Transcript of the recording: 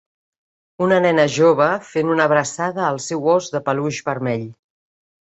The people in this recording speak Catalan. Una nena jove fent una abraçada al seu ós de peluix vermell.